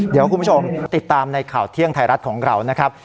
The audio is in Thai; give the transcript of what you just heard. เดี๋ยวคุณผู้ชมติดตามในข่าวเที่ยงไทยรัฐของเรานะครับ